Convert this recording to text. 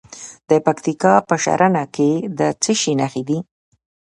د پکتیکا په ښرنه کې د څه شي نښې دي؟